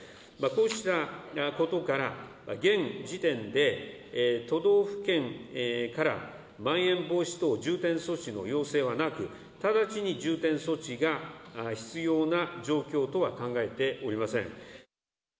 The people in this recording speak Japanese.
こうしたことから現時点で都道府県から、まん延防止等重点措置の要請はなく、直ちに重点措置が必要な状況とは考えておりません。